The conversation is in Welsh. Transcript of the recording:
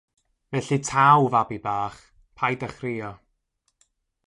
Felly taw fabi bach, paid â chrïo.